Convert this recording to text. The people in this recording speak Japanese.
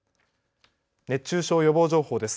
熱中症予防情報です。